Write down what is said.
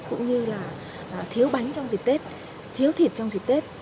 cũng như là thiếu bánh trong dịp tết thiếu thịt trong dịp tết